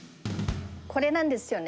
これなんですよね。